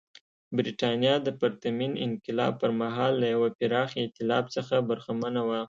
برېټانیا د پرتمین انقلاب پر مهال له یوه پراخ اېتلاف څخه برخمنه وه.